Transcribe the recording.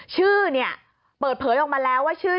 ชื่อเนี่ยเปิดเผยออกมาแล้วว่าชื่อ